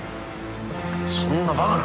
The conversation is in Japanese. そんなバカな。